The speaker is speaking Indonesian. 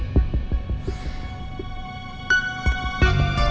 tidak ada yang bisa dikira